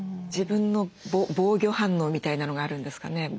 自分の防御反応みたいなのがあるんですかね。